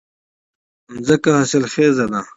ځمکه حاصلخېزه ده